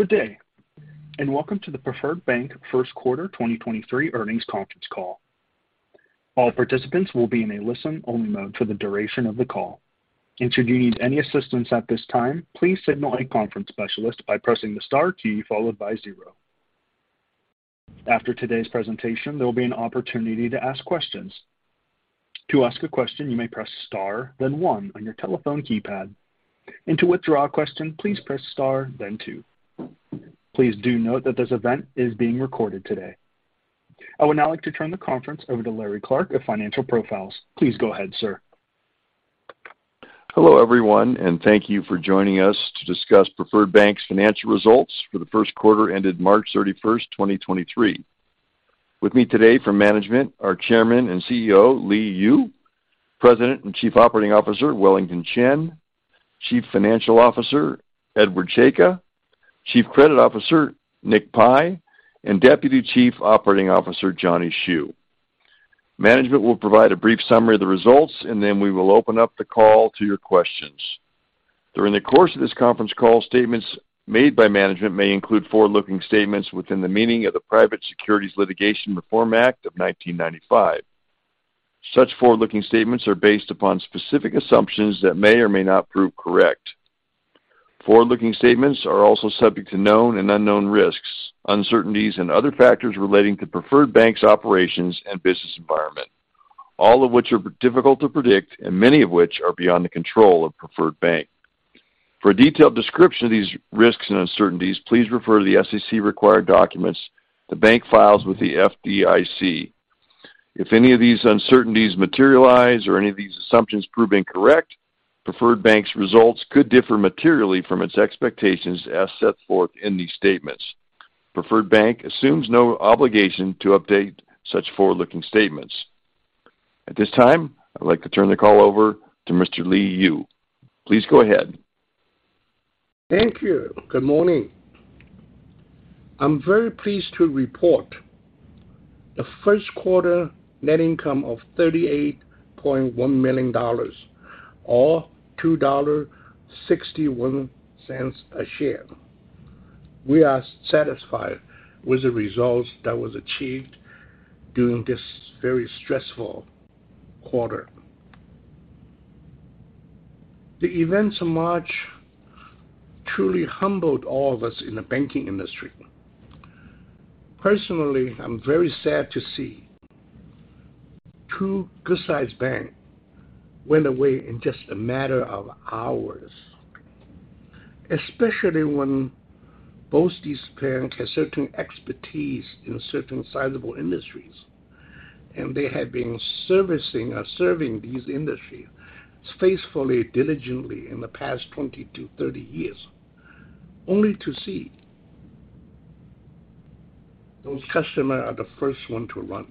Good day, welcome to the Preferred Bank first quarter 2023 earnings conference call. All participants will be in a listen-only mode for the duration of the call. Should you need any assistance at this time, please signal a conference specialist by pressing the star key followed by 0. After today's presentation, there'll be an opportunity to ask questions. To ask a question, you may press Star then 1 on your telephone keypad. To withdraw a question, please press Star then 2. Please do note that this event is being recorded today. I would now like to turn the conference over to Larry Clark of Financial Profiles. Please go ahead, sir. Hello, everyone, and thank you for joining us to discuss Preferred Bank's financial results for the first quarter ended March 31st, 2023. With me today from management, our Chairman and CEO, Li Yu, President and Chief Operating Officer, Wellington Chen, Chief Financial Officer, Edward Czajka, Chief Credit Officer, Nick Pi, and Deputy Chief Operating Officer, Johnny Hsu. Management will provide a brief summary of the results, and then we will open up the call to your questions. During the course of this conference call, statements made by management may include forward-looking statements within the meaning of the Private Securities Litigation Reform Act of 1995. Such forward-looking statements are based upon specific assumptions that may or may not prove correct. Forward-looking statements are also subject to known and unknown risks, uncertainties, and other factors relating to Preferred Bank's operations and business environment, all of which are difficult to predict and many of which are beyond the control of Preferred Bank. For a detailed description of these risks and uncertainties, please refer to the SEC required documents the bank files with the FDIC. If any of these uncertainties materialize or any of these assumptions prove incorrect, Preferred Bank's results could differ materially from its expectations as set forth in these statements. Preferred Bank assumes no obligation to update such forward-looking statements. At this time, I'd like to turn the call over to Mr. Li Yu. Please go ahead. Thank you. Good morning. I'm very pleased to report the first quarter net income of $38.1 million or $2.61 a share. We are satisfied with the results that was achieved during this very stressful quarter. The events of March truly humbled all of us in the banking industry. Personally, I'm very sad to see two good-sized bank went away in just a matter of hours, especially when both these banks have certain expertise in certain sizable industries, and they have been servicing or serving these industries faithfully, diligently in the past 20 to 30 years, only to see those customer are the first one to run,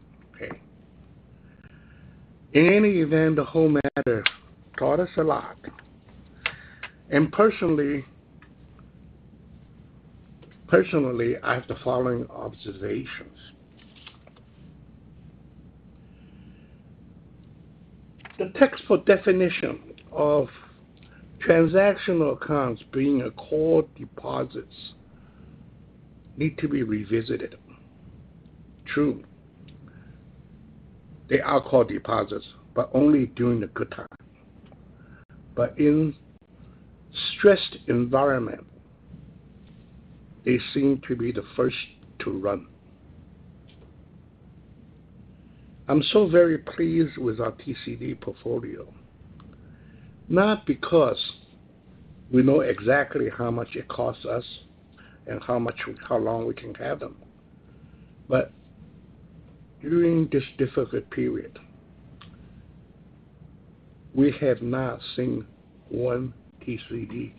okay. In any event, the whole matter taught us a lot. Personally, I have the following observations. The textbook definition of transactional accounts being a core deposits need to be revisited. True, they are core deposits, but only during the good time. In stressed environment, they seem to be the first to run. I'm so very pleased with our TCD portfolio, not because we know exactly how much it costs us and how long we can have them. During this difficult period, we have not seen one TCD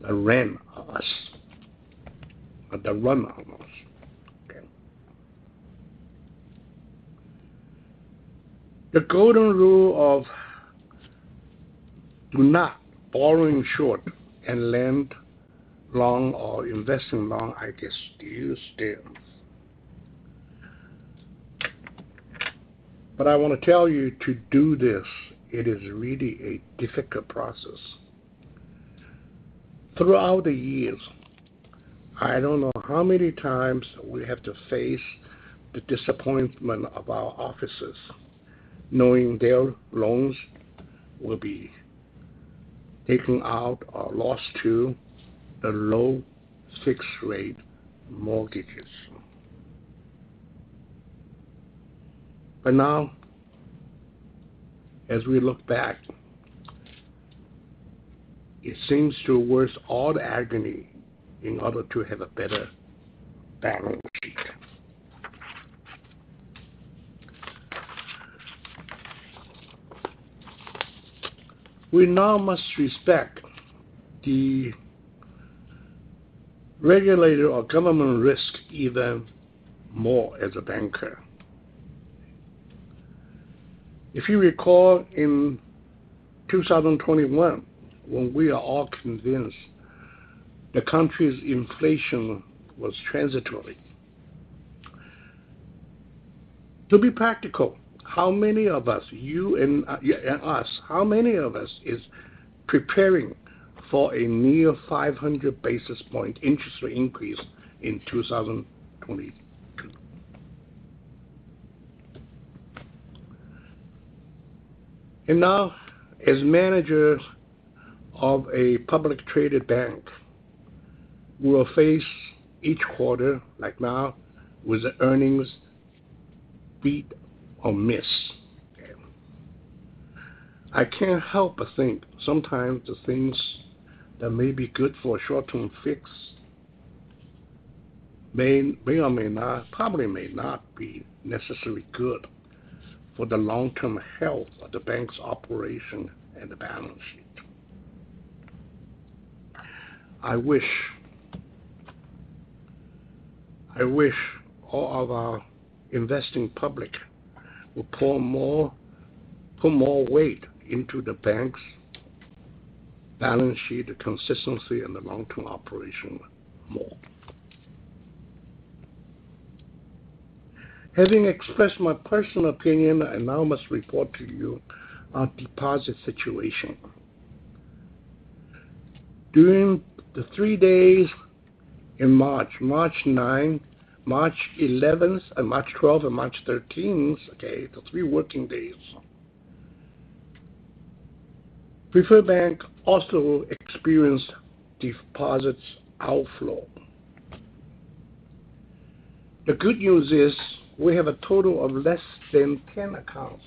that ran us or that run on us, okay. The golden rule of not borrowing short and lend long or investing long, I guess, still stands. I want to tell you to do this, it is really a difficult process. Throughout the years, I don't know how many times we have to face the disappointment of our officers knowing their loans will be taken out or lost to the low fixed rate mortgages. Now, as we look back, it seems to worth all the agony in order to have a better balance sheet. We now must respect the regulator or government risk even more as a banker. If you recall in 2021, when we are all convinced the country's inflation was transitory. To be practical, how many of us, you and us, how many of us is preparing for a near 500 basis point interest rate increase in 2022? Now, as managers of a public traded bank, we will face each quarter, like now, with the earnings beat or miss, okay. I can't help but think sometimes the things that may be good for a short-term fix may or may not, probably may not be necessarily good for the long-term health of the bank's operation and the balance sheet. I wish all of our investing public will put more weight into the bank's balance sheet consistency and the long-term operation more. Having expressed my personal opinion, I now must report to you our deposit situation. During the three days in March ninth, March eleventh, and March twelve, and March thirteenth, okay, the three working days, Preferred Bank also experienced deposits outflow. The good news is we have a total of less than 10 accounts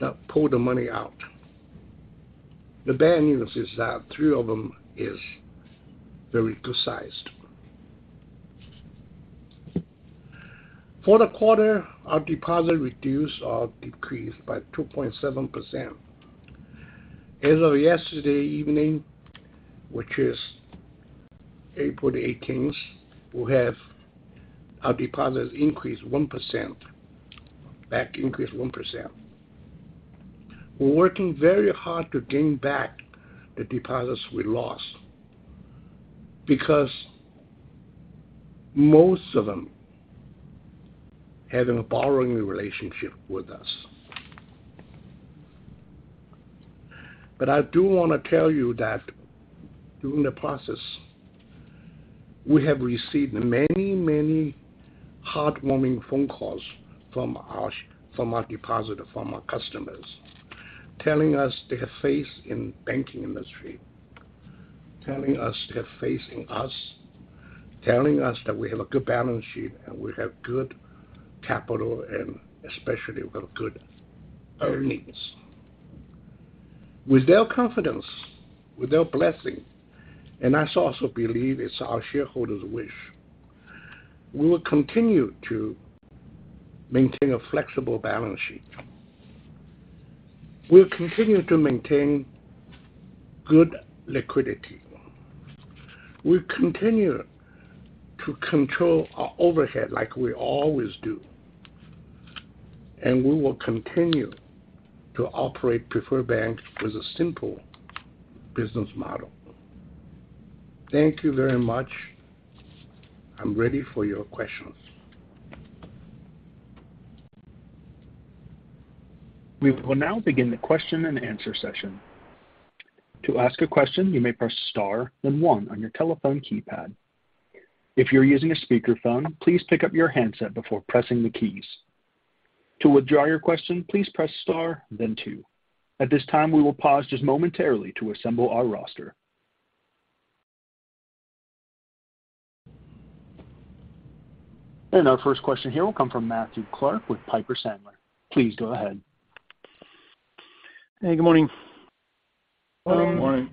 that pulled the money out. The bad news is that three of them is very good sized. For the quarter, our deposit reduced or decreased by 2.7%. As of yesterday evening, which is April the eighteenth, we have our deposits increased 1%. Back increased 1%. We're working very hard to gain back the deposits we lost because most of them have a borrowing relationship with us. I do want to tell you that during the process, we have received many, many heartwarming phone calls from our from our depositors, from our customers, telling us they have faith in banking industry, telling us they have faith in us, telling us that we have a good balance sheet, and we have good capital, and especially we have good earnings. With their confidence, with their blessing, and I also believe it's our shareholders wish, we will continue to maintain a flexible balance sheet. We'll continue to maintain good liquidity. We'll continue to control our overhead like we always do. We will continue to operate Preferred Bank with a simple business model. Thank you very much. I'm ready for your questions. We will now begin the question-and-answer session. To ask a question, you may press star then one on your telephone keypad. If you're using a speakerphone, please pick up your handset before pressing the keys. To withdraw your question, please press star then two. At this time, we will pause just momentarily to assemble our roster. Our first question here will come from Matthew Clark with Piper Sandler. Please go ahead. Hey, good morning. Good morning.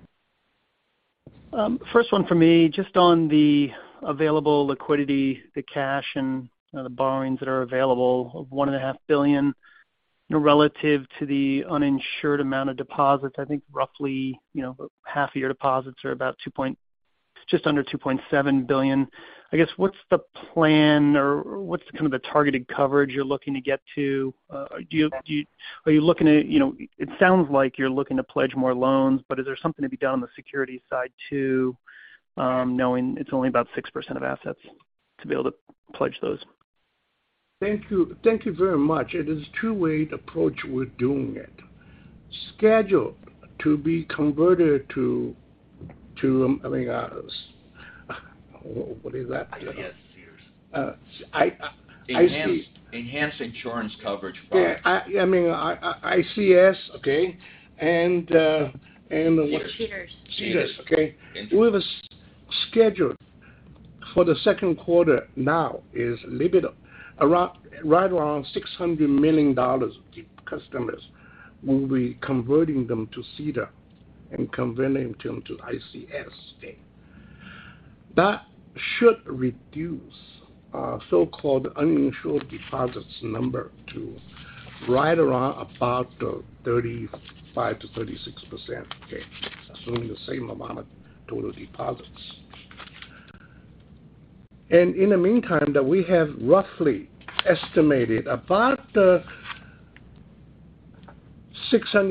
First one for me, just on the available liquidity, the cash and, you know, the borrowings that are available of $1.5 billion, you know, relative to the uninsured amount of deposits, I think roughly, you know, half of your deposits are just under $2.7 billion. I guess, what's the plan or what's kind of the targeted coverage you're looking to get to? Are you looking at, you know. It sounds like you're looking to pledge more loans, but is there something to be done on the security side too, knowing it's only about 6% of assets to be able to pledge those? Thank you. Thank you very much. It is two-way approach we're doing it. Scheduled to be converted to, I mean, what is that? I see. Enhanced insurance coverage products. Yeah, I mean, ICS, okay, and the what? CD, CDARS. CDARS, okay. We have scheduled for the second quarter now is right around $600 million of customers will be converting them to CDARS and converting them to ICS. That should reduce our so-called uninsured deposits number to right around about 35%-36%. Okay. Assuming the same amount of total deposits. In the meantime, that we have roughly estimated about $600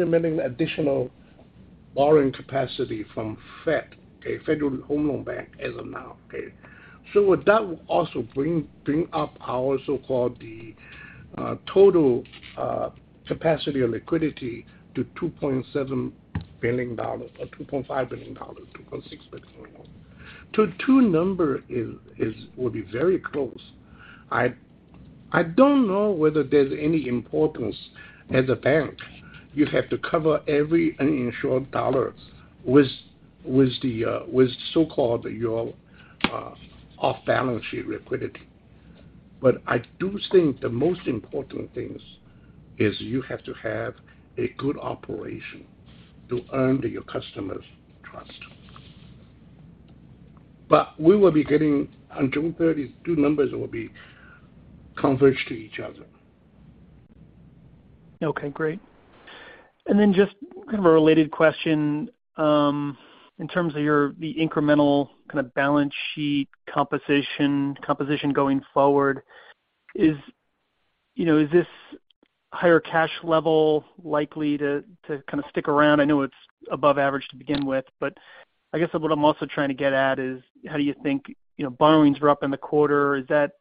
million additional borrowing capacity from Fed, a Federal Home Loan Bank as of now, okay? With that will also bring up our so-called the total capacity or liquidity to $2.7 billion or $2.5 billion, $2.6 billion. To two number is will be very close. I don't know whether there's any importance as a bank. You have to cover every uninsured dollar with the with so-called your off-balance sheet liquidity. I do think the most important thing is you have to have a good operation to earn your customers' trust. We will be getting. On June 30th, two numbers will be converged to each other. Okay, great. Just kind of a related question, in terms of your the incremental kind of balance sheet composition going forward, is, you know, is this higher cash level likely to kind of stick around? I know it's above average to begin with, but I guess what I'm also trying to get at is how do you think, you know, borrowings were up in the quarter. Is that...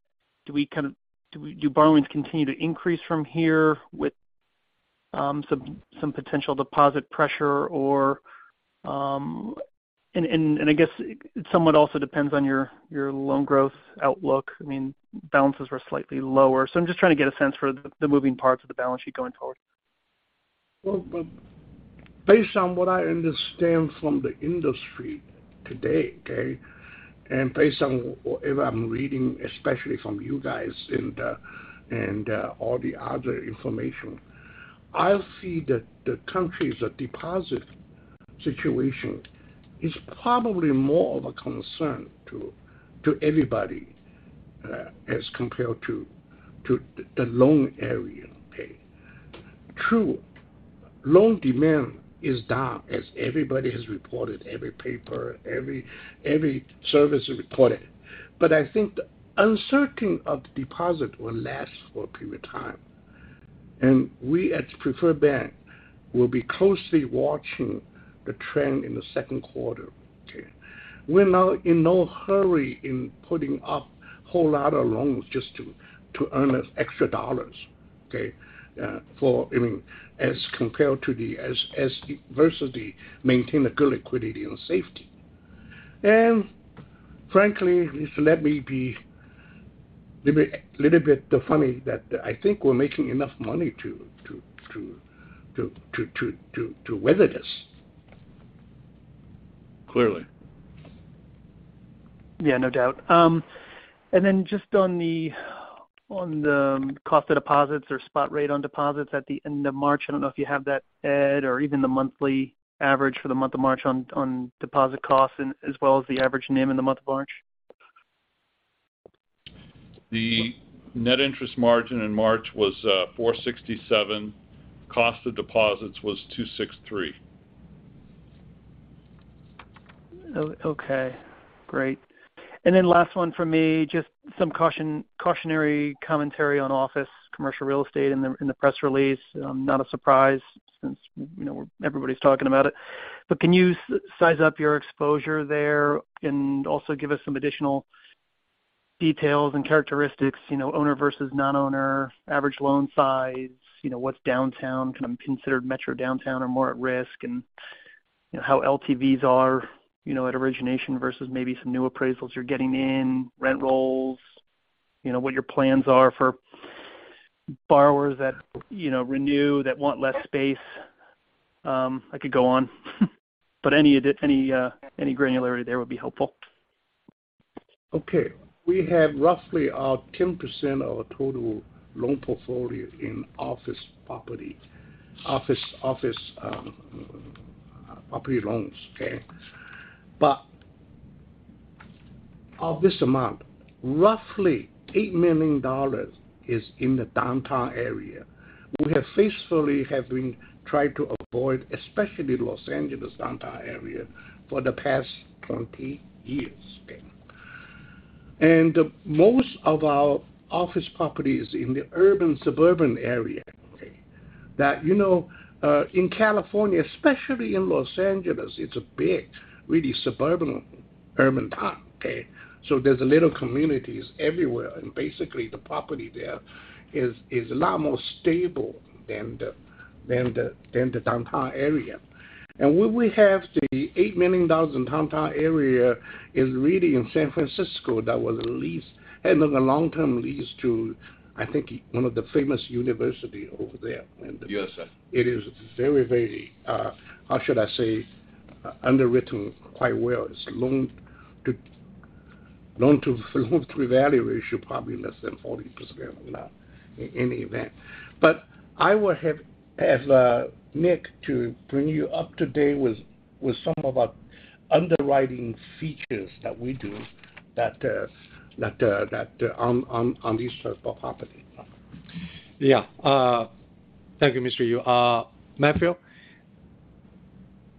Do borrowings continue to increase from here with, some potential deposit pressure or. I guess it somewhat also depends on your loan growth outlook. I mean, balances were slightly lower. I'm just trying to get a sense for the moving parts of the balance sheet going forward. Well, based on what I understand from the industry today, okay, and based on whatever I'm reading, especially from you guys and all the other information, I see that the country's deposit situation is probably more of a concern to everybody as compared to the loan area. Okay. True, loan demand is down as everybody has reported, every paper, every service reported. I think the uncertain of deposit will last for a period of time. We at Preferred Bank will be closely watching the trend in the second quarter. Okay. We're now in no hurry in putting up whole lot of loans just to earn us extra dollars, okay, for, I mean, as compared to the as adversity, maintain a good liquidity and safety. Frankly, if let me be little bit funny that I think we're making enough money to weather this. Clearly. Yeah, no doubt. Just on the cost of deposits or spot rate on deposits at the end of March, I don't know if you have that, Ed, or even the monthly average for the month of March on deposit costs as well as the average NIM in the month of March? The net interest margin in March was 4.67%. Cost of deposits was 2.63%. Okay. Great. Last one for me, just some cautionary commentary on office commercial real estate in the, in the press release. Not a surprise since, you know, everybody's talking about it. Can you size up your exposure there and also give us some additional details and characteristics, you know, owner versus non-owner, average loan size, you know, what's downtown kind of considered metro downtown or more at risk, and, you know, how LTVs are, you know, at origination versus maybe some new appraisals you're getting in, rent rolls, you know, what your plans are for borrowers that, you know, renew, that want less space? I could go on. Any granularity there would be helpful. We have roughly 10% of our total loan portfolio in office property loans. Of this amount, roughly $8 million is in the downtown area. We have faithfully been trying to avoid, especially Los Angeles downtown area for the past 20 years. Most of our office property is in the urban-suburban area. That, you know, in California, especially in Los Angeles, it's a big, really suburban, urban town. There's little communities everywhere, and basically, the property there is a lot more stable than the downtown area. We will have the $8 million in downtown area is really in San Francisco. That was a lease. Had a long-term lease to, I think, one of the famous university over there. Yes, sir. It is very, very, how should I say, underwritten quite well. It's Loan-to-Value ratio probably less than 40% or less in event. I will have Nick to bring you up to date with some of our underwriting features that we do that on these types of property. Yeah. Thank you, Mr. Yu.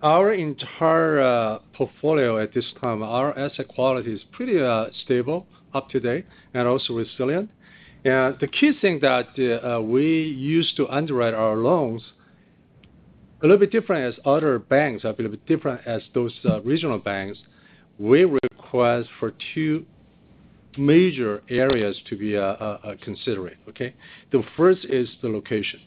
Our entire portfolio at this time, our asset quality is pretty stable up to date and also resilient. The key thing that we use to underwrite our loans a little bit different as other banks, a little bit different as those regional banks, we request for two major areas to be considering. The first is the location.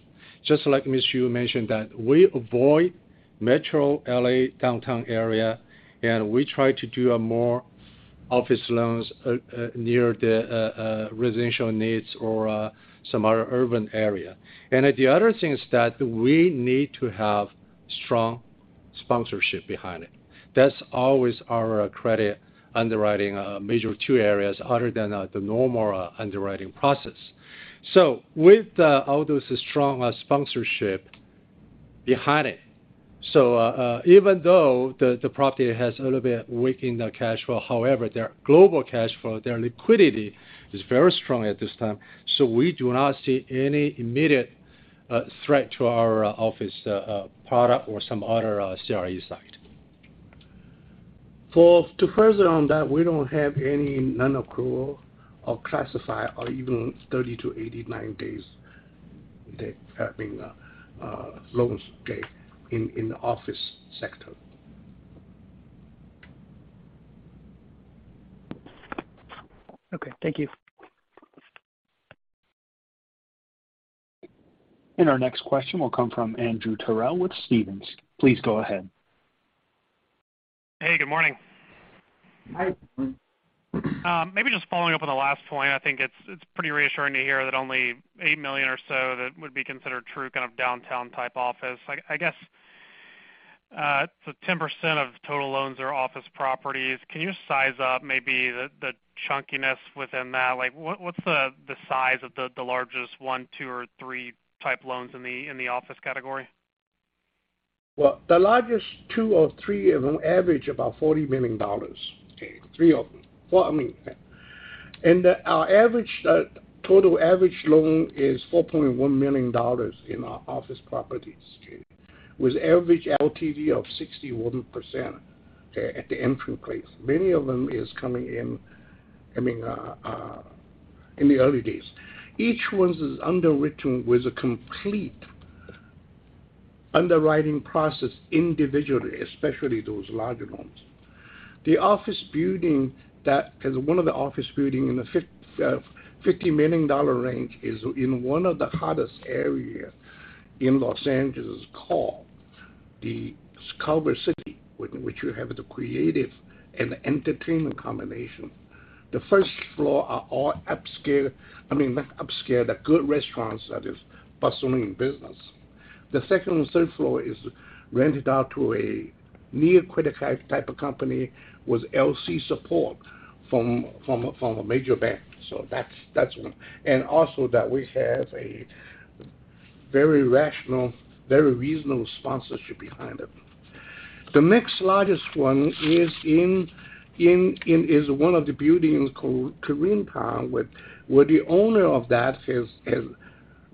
Just like Li Yu mentioned that we avoid metro L.A. downtown area. We try to do a more office loans near the residential needs or some other urban area. The other thing is that we need to have strong sponsorship behind it. That's always our credit underwriting major two areas other than the normal underwriting process. With all those strong sponsorship behind it, so, even though the property has a little bit weak in the cash flow, however, their global cash flow, their liquidity is very strong at this time. We do not see any immediate threat to our office product or some other CRE site. To further on that, we don't have any non-accrual or classified or even 30 to 89 days that have been loans, okay, in the office sector. Okay. Thank you. Our next question will come from Andrew Terrell with Stephens. Please go ahead. Hey, good morning. Maybe just following up on the last point. I think it's pretty reassuring to hear that only $8 million or so that would be considered true kind of downtown type office. 10% of total loans are office properties. Can you size up maybe the chunkiness within that? What's the size of the largest one, two, or three type loans in the office category? Well, the largest two or three of them average about $40 million, okay? Three of them. Four, I mean. Our average total average loan is $4.1 million in our office properties, okay? With average LTV of 61%, okay, at the entry place. Many of them is coming in, I mean, in the early days. Each one is underwritten with a complete underwriting process individually, especially those larger loans. The office building 'cause one of the office building in the $50 million range is in one of the hottest areas in Los Angeles called the Culver City, which you have the creative and entertainment combination. The first floor are all upscale, I mean, not upscale, the good restaurants that is bustling business. The second and third floor is rented out to a near credit type of company with LC support from a major bank. That's one. Also that we have a very rational, very reasonable sponsorship behind them. The next largest one is one of the buildings called Korean Town, where the owner of that has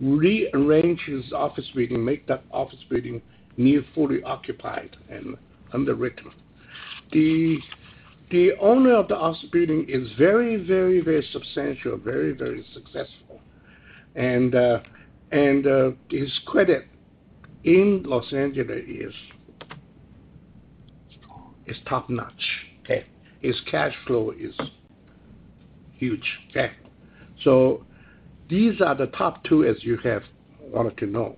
rearranged his office building, make that office building near fully occupied and underwritten. The owner of the office building is very substantial, very successful. His credit in Los Angeles is top-notch, okay? His cash flow is huge, okay? These are the top two, as you have wanted to know,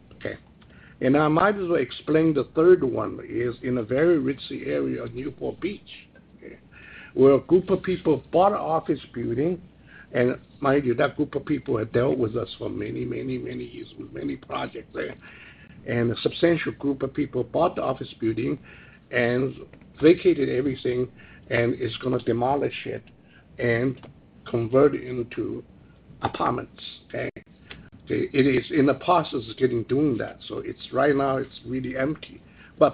okay? I might as well explain the third one is in a very rich area, Newport Beach, okay? Where a group of people bought an office building. Mind you, that group of people had dealt with us for many, many, many years with many projects there. A substantial group of people bought the office building and vacated everything and is going to demolish it and convert into apartments, okay? It is in the process of getting doing that. It's right now, it's really empty.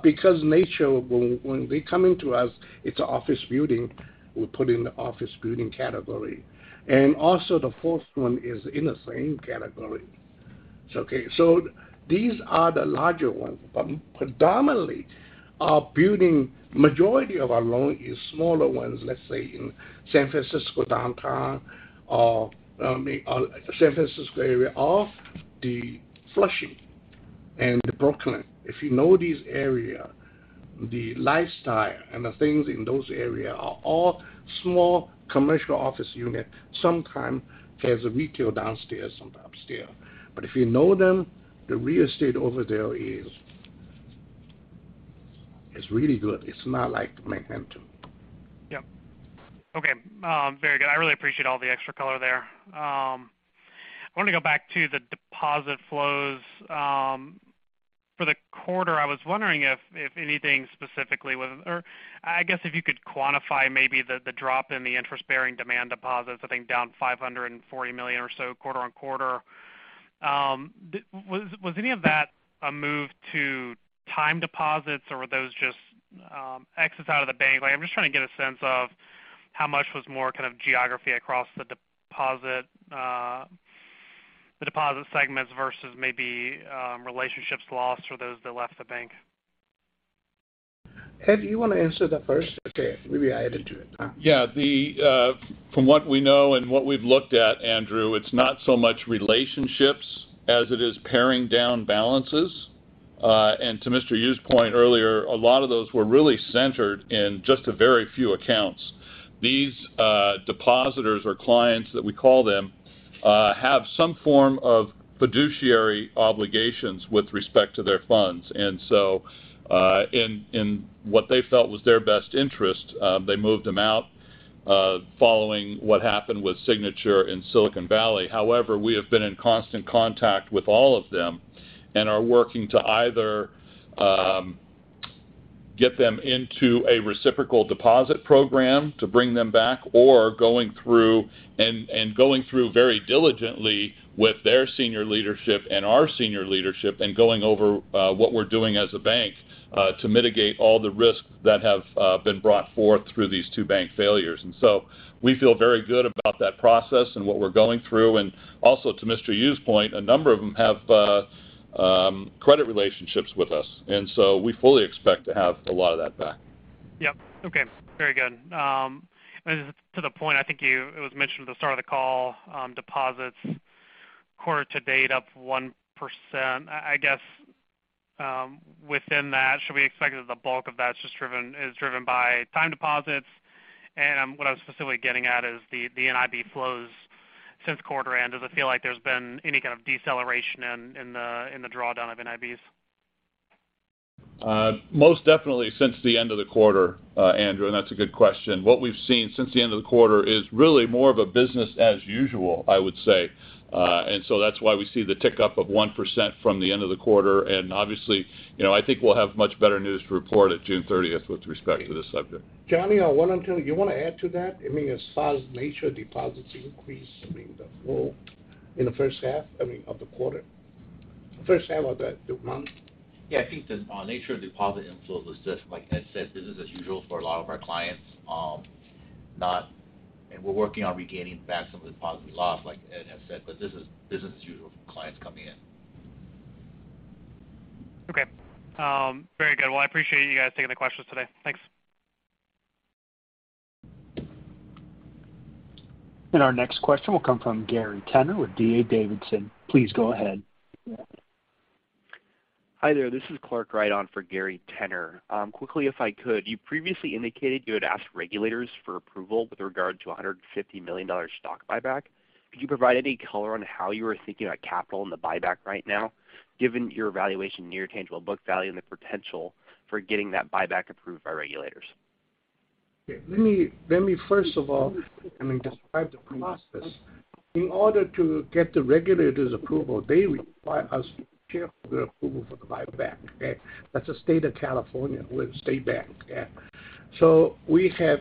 Because nature, when they come into us, it's an office building, we put in the office building category. Also the fourth one is in the same category. Okay. These are the larger ones. Predominantly, our building, majority of our loan is smaller ones, let's say in San Francisco downtown or, I mean, San Francisco area, or the Flushing and the Brooklyn. If you know these area, the lifestyle and the things in those area are all small commercial office unit. Sometimes has a retail downstairs, sometimes upstairs. If you know them, the real estate over there is really good. It's not like Manhattan. Yep. Okay. Very good. I really appreciate all the extra color there. I want to go back to the deposit flows for the quarter. I was wondering if anything specifically was. Or I guess if you could quantify maybe the drop in the interest-bearing demand deposits, I think down $540 million or so quarter-on-quarter. Was any of that a move to time deposits, or were those just exits out of the bank? Like I'm just trying to get a sense of how much was more kind of geography across the deposit segments versus maybe relationships lost for those that left the bank. Ed, you want to answer that first? Okay. Maybe I'll add to it. The, from what we know and what we've looked at, Andrew, it's not so much relationships as it is paring down balances. To Mr. Yu's point earlier, a lot of those were really centered in just a very few accounts. These depositors or clients that we call them, have some form of fiduciary obligations with respect to their funds. In what they felt was their best interest, they moved them out, following what happened with Signature and Silicon Valley. We have been in constant contact with all of them and are working to either get them into a reciprocal deposit program to bring them back or going through very diligently with their senior leadership and our senior leadership and going over what we're doing as a bank to mitigate all the risks that have been brought forth through these two bank failures. We feel very good about that process and what we're going through. Also to Mr. Yu's point, a number of them have credit relationships with us, and so we fully expect to have a lot of that back. Yep. Okay. Very good. To the point, I think it was mentioned at the start of the call, deposits quarter to date up 1%. I guess, within that, should we expect that the bulk of that's just driven by time deposits? What I was specifically getting at is the NIB flows since quarter end. Does it feel like there's been any kind of deceleration in the drawdown of NIBs? Most definitely since the end of the quarter, Andrew, and that's a good question. What we've seen since the end of the quarter is really more of a business as usual, I would say. That's why we see the tick up of 1% from the end of the quarter. Obviously, you know, I think we'll have much better news to report at June 30th with respect to this subject. Johnny, You want to add to that? I mean, as far as nature deposits increase, I mean, the flow in the first half, I mean, of the quarter. First half of the month. Yeah. I think the nature of deposit inflows is just like Ed said, business as usual for a lot of our clients. We're working on regaining back some of the deposits we lost, like Ed has said. This is business as usual for clients coming in. Okay. Very good. I appreciate you guys taking the questions today. Thanks. Our next question will come from Gary Tenner with D.A. Davidson. Please go ahead. Hi there. This is Clark Wright on for Gary Tenner. quickly, if I could, you previously indicated you had asked regulators for approval with regard to a $150 million stock buyback. Could you provide any color on how you were thinking about capital in the buyback right now, given your valuation near tangible book value and the potential for getting that buyback approved by regulators? Let me first of all, I mean, describe the process. In order to get the regulators approval, they require us shareholder approval for the buyback. Okay. That's the state of California. We're a state bank. We have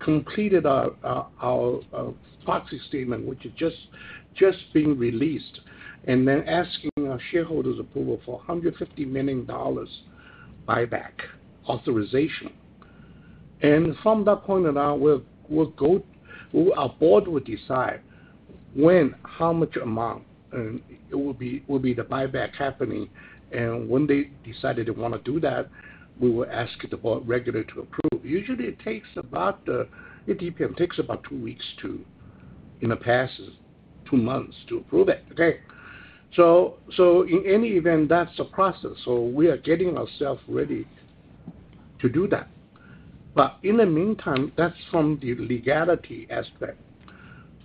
completed our proxy statement, which has just been released, and they're asking our shareholders approval for a $150 million buyback authorization. Our board will decide when, how much amount will be the buyback happening. When they decide they want to do that, we will ask the board regulatory approval. Usually it takes about 2 weeks. In the past, 2 months to approve it. Okay? In any event, that's a process. We are getting ourselves ready to do that. In the meantime, that's from the legality aspect.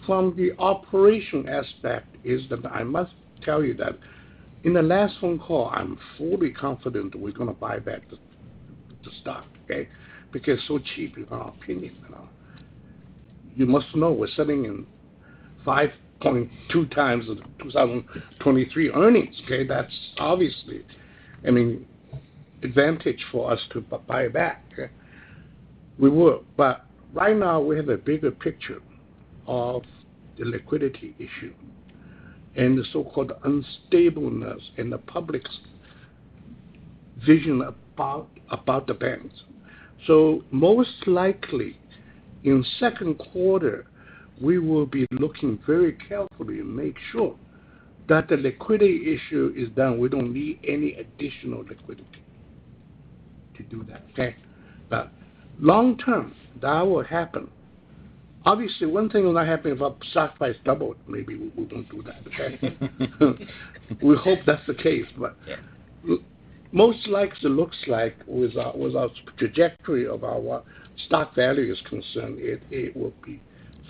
From the operation aspect is that I must tell you that in the last phone call, I'm fully confident we're going to buy back the stock, okay? Because it's so cheap in our opinion now. You must know we're sitting in 5.2x of 2023 earnings, okay? That's obviously, I mean, advantage for us to buy back. We would. Right now we have a bigger picture of the liquidity issue and the so-called unstableness in the public's vision about the banks. Most likely, in second quarter, we will be looking very carefully and make sure that the liquidity issue is done. We don't need any additional liquidity to do that. Okay? Long term, that will happen. One thing will not happen if our stock price double, maybe we don't do that. We hope that's the case. Yeah. Most likes it looks like with our trajectory of our stock value is concerned, it will be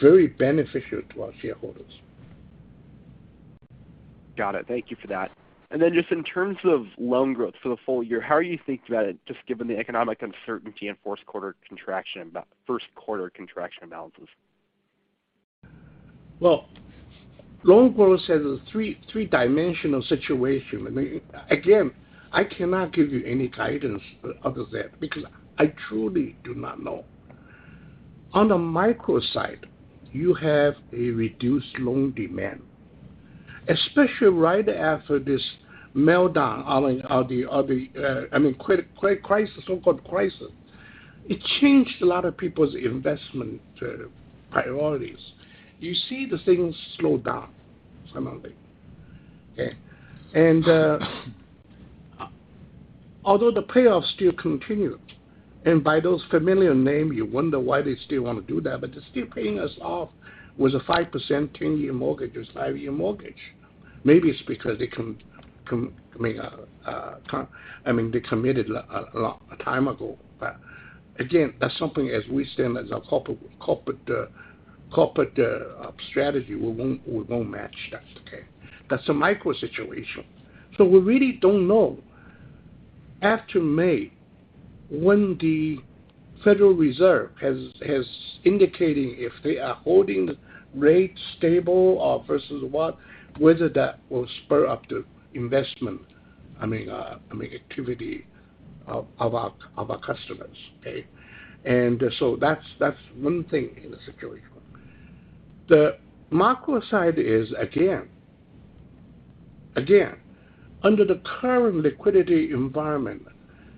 very beneficial to our shareholders. Got it. Thank you for that. Then just in terms of loan growth for the full year, how are you thinking about it, just given the economic uncertainty and about first quarter contraction balances? Well, loan growth has a three-dimensional situation. I mean, again, I cannot give you any guidance other than that because I truly do not know. On the micro side, you have a reduced loan demand, especially right after this meltdown on the I mean crisis, so-called crisis. It changed a lot of people's investment priorities. You see the things slow down somewhat, okay? Although the payoffs still continue, and by those familiar name, you wonder why they still want to do that, but they're still paying us off with a 5% ten-year mortgage or five-year mortgage. Maybe it's because they I mean, I mean, they committed a long time ago. Again, that's something as we stand as a corporate strategy, we won't match that, okay? That's a micro situation. We really don't know after May when the Federal Reserve has indicating if they are holding the rate stable, versus what, whether that will spur up the investment, I mean activity of our customers, okay? That's one thing in the situation. The macro side is again under the current liquidity environment,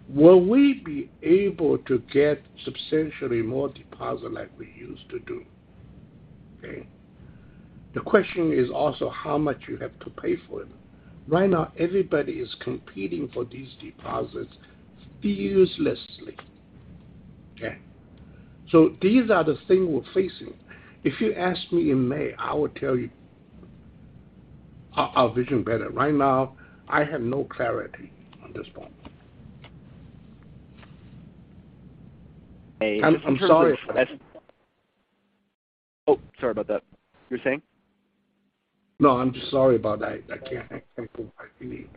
will we be able to get substantially more deposit like we used to do? Okay. The question is also how much you have to pay for it. Right now, everybody is competing for these deposits furiously. Okay? These are the things we're facing. If you ask me in May, I will tell you I'll vision better. Right now, I have no clarity on this point. Hey, in terms of. I'm sorry. Oh, sorry about that. You were saying? No, I'm just sorry about that. I can't think of any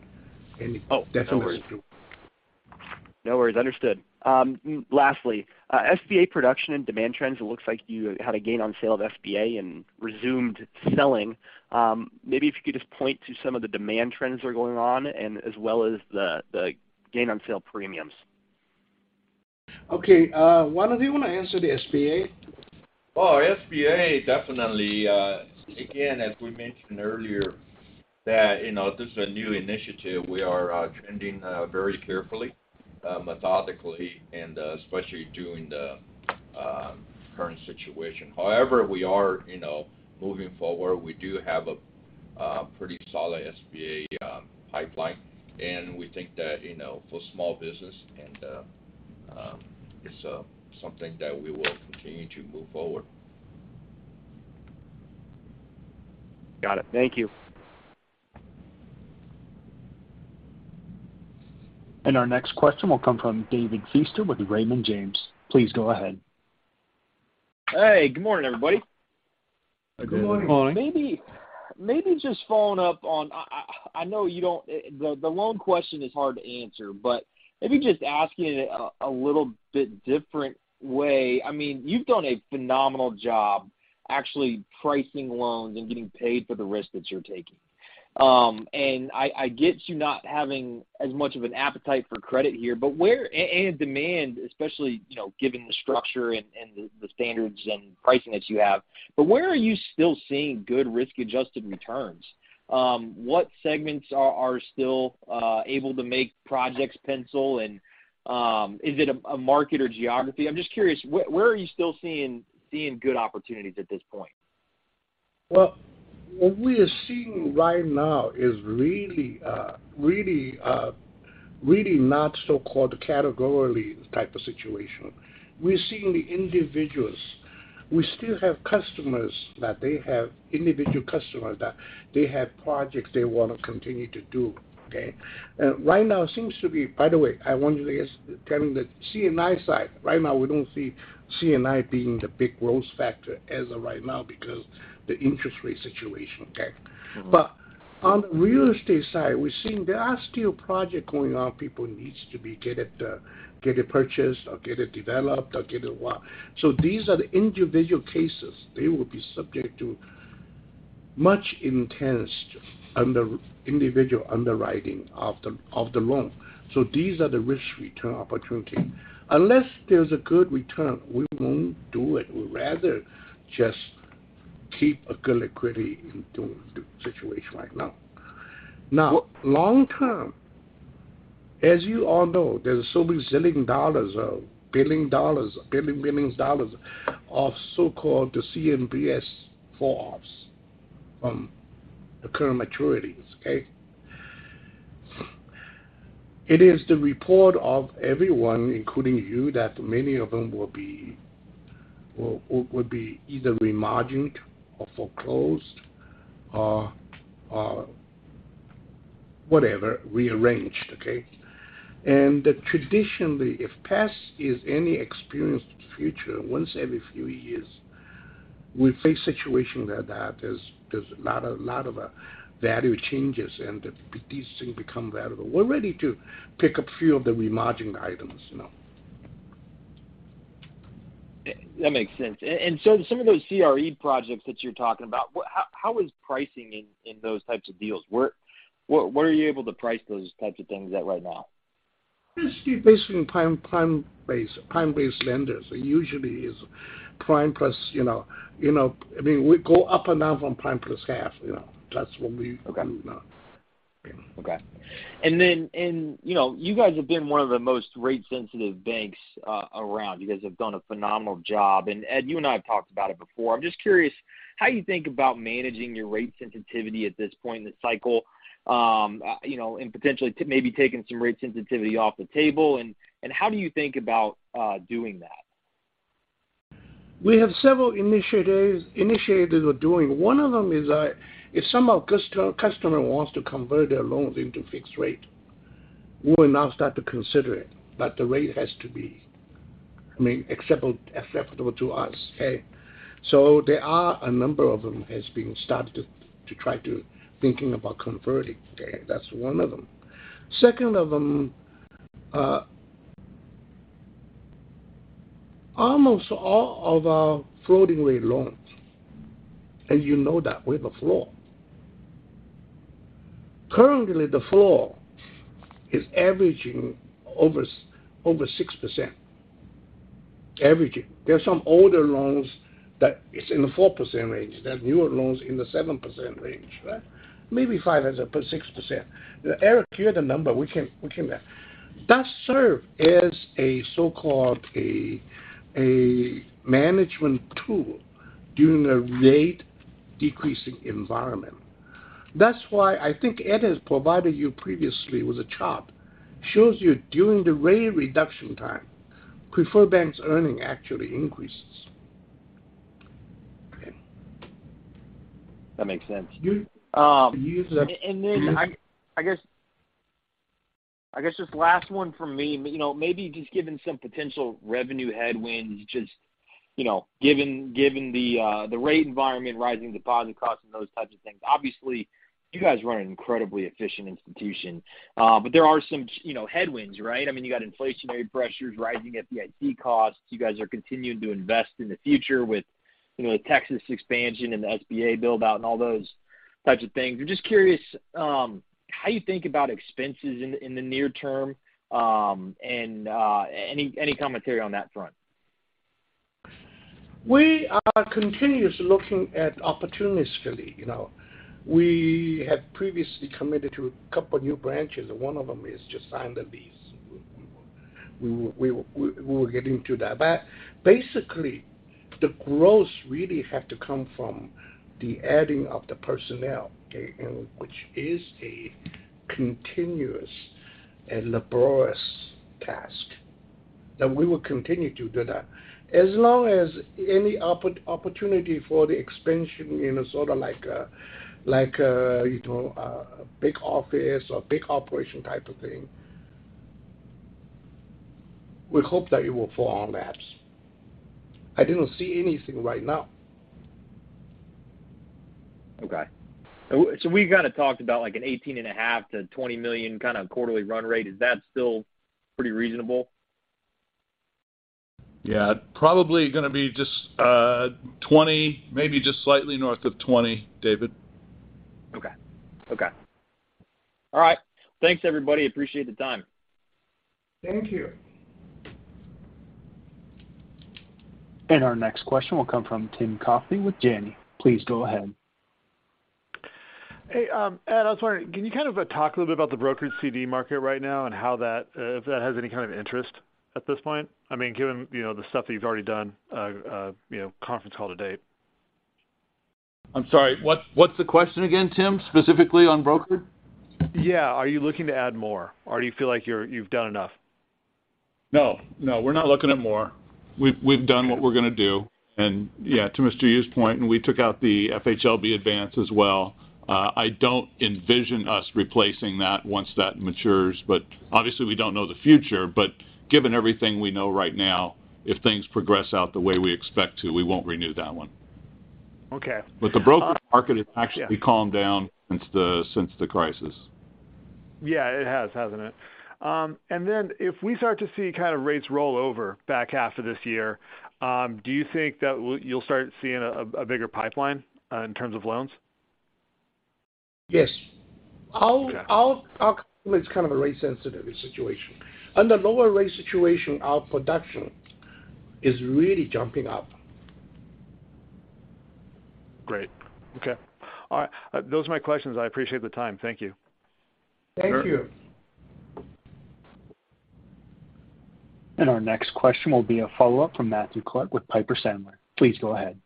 definition. Oh, no worries. No worries. Understood. Lastly, SBA production and demand trends, it looks like you had a gain on sale of SBA and resumed selling. Maybe if you could just point to some of the demand trends that are going on and as well as the gain on sale premiums. Okay. One of you want to answer the SBA? Oh, SBA, definitely. Again, as we mentioned earlier, that, you know, this is a new initiative. We are trending very carefully, methodically, and especially during the current situation. However, we are, you know, moving forward. We do have a pretty solid SBA pipeline, and we think that, you know, for small business, and it's something that we will continue to move forward. Got it. Thank you. Our next question will come from David Feaster with Raymond James. Please go ahead. Hey, good morning, everybody. Good morning. Maybe just following up on. I know you don't. The loan question is hard to answer, but maybe just asking it a little bit different way. I mean, you've done a phenomenal job actually pricing loans and getting paid for the risk that you're taking. And I get you not having as much of an appetite for credit here, but where and demand, especially, you know, given the structure and the standards and pricing that you have. Where are you still seeing good risk-adjusted returns? What segments are still able to make projects pencil? Is it a market or geography? I'm just curious, where are you still seeing good opportunities at this point? Well, what we are seeing right now is really not so-called categorically type of situation. We're seeing the individuals. We still have customers that they have, individual customers that they have projects they want to continue to do, okay? Right now seems to be. By the way, I want you guys telling the C&I side. Right now, we don't see C&I being the big growth factor as of right now because the interest rate situation, okay? Mm-hmm. On the real estate side, we're seeing there are still projects going on, people needs to be get it, get it purchased or get it developed or get it what. These are the individual cases. They will be subject to much intense individual underwriting of the loan. These are the risk-return opportunity. Unless there's a good return, we won't do it. We'd rather just keep a good liquidity in doing the situation right now. long term, as you all know, there's so many zillion dollars or $1 billion, billions dollars of so-called the CMBS falloffs from the current maturities, okay? It is the report of everyone, including you, that many of them will be, or would be either remargined or foreclosed or whatever, rearranged, okay? Traditionally, if past is any experience to the future, once every few years, we face situation like that. There's a lot of value changes, and these things become valuable. We're ready to pick a few of the remargining items now. That makes sense. Some of those CRE projects that you're talking about, How is pricing in those types of deals? Where are you able to price those types of things at right now? It's still based on prime base, prime-based lenders. It usually is prime plus, you know, you know, I mean, we go up and down from prime plus half, you know? That's what we've done now. Okay. You know, you guys have been one of the most rate sensitive banks around. You guys have done a phenomenal job. Ed, you and I have talked about it before. I'm just curious how you think about managing your rate sensitivity at this point in the cycle, you know, and potentially taking some rate sensitivity off the table, and how do you think about doing that? We have several initiatives we're doing. One of them is that if some customer wants to convert their loans into fixed rate, we will now start to consider it, but the rate has to be, I mean, acceptable to us. Okay? There are a number of them has been started to thinking about converting. That's one of them. Second of them, almost all of our floating rate loans, and you know that, with a floor. Currently, the floor is averaging over 6%. Averaging. There are some older loans that is in the 4% range. There are newer loans in the 7% range, right? Maybe 5% and 6%. Eric, give the number. We can. That serve as a so-called a management tool during a rate decreasing environment. That's why I think Ed has provided you previously with a chart, shows you during the rate reduction time, Preferred Bank's earning actually increases. That makes sense. I guess, I guess just last one from me. You know, maybe just given some potential revenue headwinds, just, you know, given the rate environment, rising deposit costs and those types of things. Obviously, you guys run an incredibly efficient institution. But there are some, you know, headwinds, right? I mean, you got inflationary pressures, rising FDIC costs. You guys are continuing to invest in the future with, you know, Texas expansion and the SBA build-out and all those types of things. I'm just curious, how you think about expenses in the near term, and any commentary on that front. We are continuously looking at opportunistically, you know. We have previously committed to a couple new branches. One of them is just signed the lease. We'll get into that. Basically, the growth really have to come from the adding of the personnel, okay, and which is a continuous and laborious task. Now we will continue to do that. As long as any opportunity for the expansion in a sort of like, you know, a big office or big operation type of thing, we hope that it will fall on that. I didn't see anything right now. Okay. We kinda talked about like an eighteen and a half million to $20 million kind of quarterly run rate. Is that still pretty reasonable? Yeah. Probably going to be just, 20, maybe just slightly north of 20, David. Okay. All right. Thanks, everybody. Appreciate the time. Thank you. Our next question will come from Tim Coffey with Janney. Please go ahead. Hey, Ed, I was wondering, can you kind of talk a little bit about the brokered CD market right now and how that, if that has any kind of interest at this point? I mean, given, you know, the stuff that you've already done, you know, conference call to date. I'm sorry, what's the question again, Tim? Specifically on brokered? Yeah. Are you looking to add more or do you feel like you've done enough? No, no, we're not looking at more. We've done what we're going to do. Yeah, to Mr. Yu's point, we took out the FHLB advance as well. I don't envision us replacing that once that matures, obviously we don't know the future. Given everything we know right now, if things progress out the way we expect to, we won't renew that one. Okay. The brokered market has actually calmed down since the crisis. Yeah, it has, hasn't it? If we start to see kind of rates roll over back half of this year, do you think that you'll start seeing a bigger pipeline, in terms of loans? Yes. Our company is kind of a rate sensitive situation. Under lower rate situation, our production is really jumping up. Great. Okay. All right. Those are my questions. I appreciate the time. Thank you. Thank you. Our next question will be a follow-up from Matthew Clark with Piper Sandler. Please go ahead.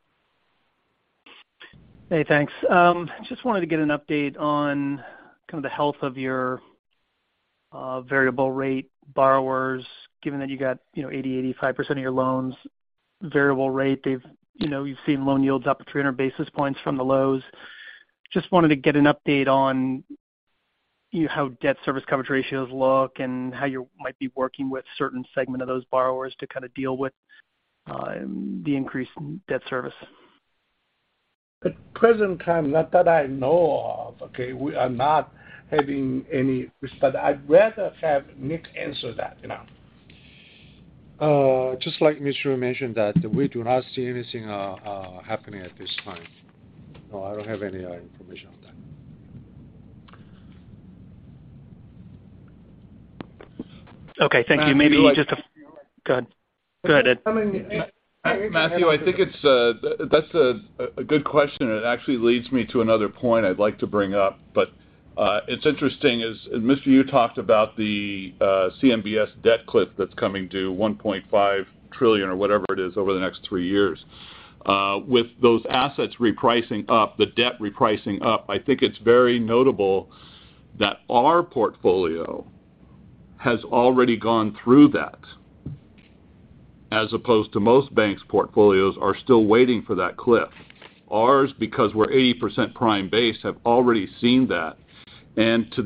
Hey, thanks. Just wanted to get an update on kind of the health of your variable rate borrowers, given that you got 80-85% of your loans variable rate. They've seen loan yields up 300 basis points from the lows. Just wanted to get an update on how debt service coverage ratios look and how you might be working with certain segment of those borrowers to kind of deal with the increased debt service? At present time, not that I know of, okay, we are not having any risk. I'd rather have Nick answer that, you know. just like Mr. Yu mentioned that we do not see anything happening at this time. No, I don't have any information on that. Okay, thank you. Maybe just go ahead. Go ahead, Ed. Matthew, I think that's a good question, and it actually leads me to another point I'd like to bring up. It's interesting as Mr. Yu talked about the CMBS debt cliff that's coming due $1.5 trillion or whatever it is over the next 3 years. With those assets repricing up, the debt repricing up, I think it's very notable that our portfolio has already gone through that as opposed to most banks' portfolios are still waiting for that cliff. Ours, because we're 80% prime base, have already seen that. To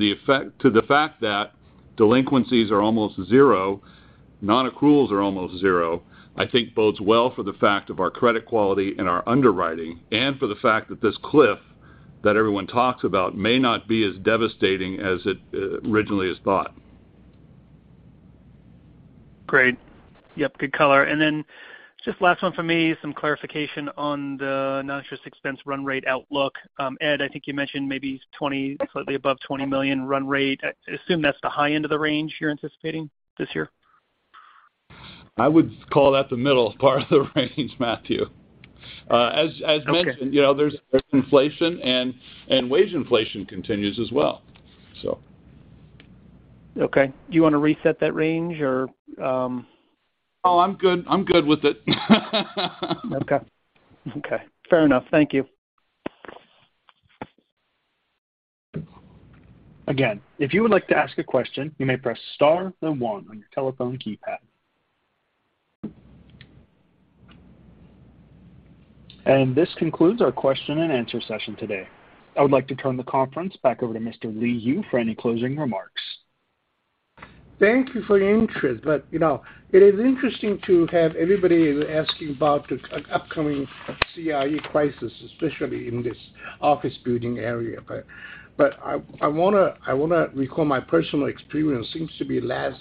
the fact that delinquencies are almost 0, non-accruals are almost 0, I think bodes well for the fact of our credit quality and our underwriting and for the fact that this cliff that everyone talks about may not be as devastating as it originally is thought. Great. Yep, good color. Then just last one from me, some clarification on the non-interest expense run rate outlook. Ed, I think you mentioned maybe 20, slightly above $20 million run rate. I assume that's the high end of the range you're anticipating this year. I would call that the middle part of the range, Matthew. as mentioned. Okay. You know, there's inflation and wage inflation continues as well, so. Okay. Do you want to reset that range or? No, I'm good. I'm good with it. Okay. Okay, fair enough. Thank you. Again, if you would like to ask a question, you may press star then one on your telephone keypad. This concludes our question and answer session today. I would like to turn the conference back over to Mr. Li Yu for any closing remarks. Thank you for your interest. You know, it is interesting to have everybody asking about the upcoming CRE crisis, especially in this office building area. I want to recall my personal experience. Seems to be last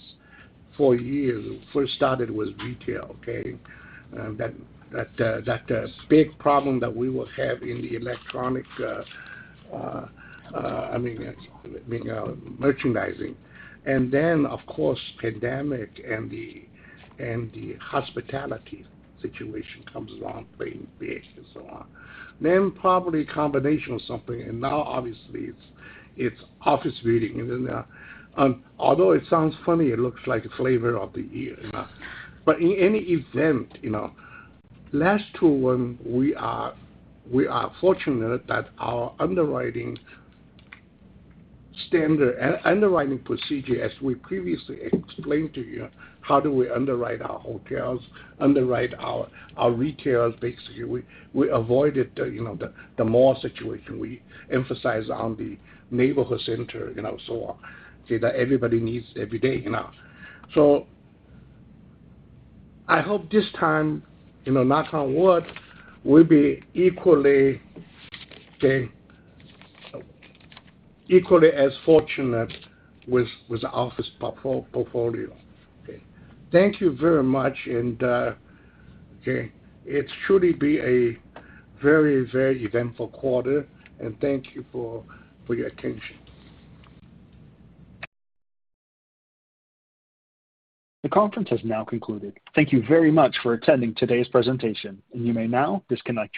four years. First started was retail, okay? That big problem that we will have in the electronic, I mean, you know, merchandising. Then, of course, pandemic and the hospitality situation comes along, playing big and so on. Then probably combination of something. Now obviously it's office building, you know. Although it sounds funny, it looks like a flavor of the year, you know. In any event, you know, last two, we are fortunate that our underwriting standard and underwriting procedure, as we previously explained to you, how do we underwrite our hotels, underwrite our retails. Basically, we avoided the mall situation. We emphasize on the neighborhood center, you know, so on. Okay, that everybody needs every day, you know. I hope this time, you know, knock on wood, we'll be equally, okay, equally as fortunate with office portfolio. Okay. Thank you very much, and, okay, it should be a very, very eventful quarter, and thank you for your attention. The conference has now concluded. Thank you very much for attending today's presentation. You may now disconnect your lines.